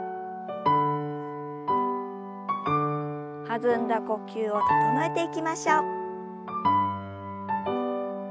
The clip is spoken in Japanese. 弾んだ呼吸を整えていきましょう。